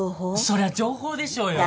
そりゃ情報でしょうよ。